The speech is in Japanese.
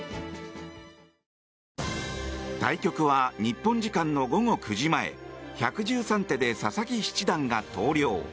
対局は日本時間の午後９時前１１３手で佐々木七段が投了。